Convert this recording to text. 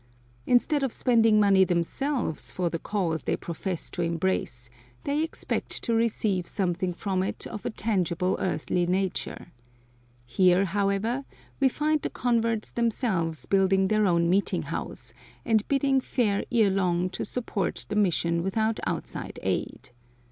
Instead of spending money themselves for the cause they profess to embrace, they expect to receive something from it of a tangible earthly nature. Here, however, we find the converts themselves building their own meeting house, and bidding fair ere long to support the mission without outside aid.